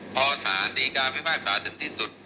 พอสารดีการไฟฟ้าสารถึงที่สุด